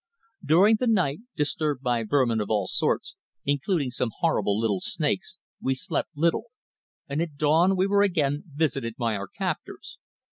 During the night, disturbed by vermin of all sorts, including some horrible little snakes, we slept little, and at dawn we were again visited by our captors.